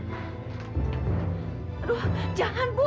aduh jangan bu